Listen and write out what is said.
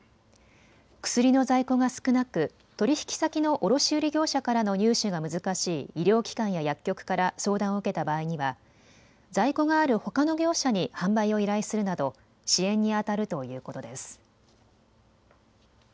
薬の在庫が少なく取引先の卸売業者からの入手が難しい医療機関や薬局から相談を受けた場合には在庫があるほかの業者に販売を依頼するなど支援にあたるということです。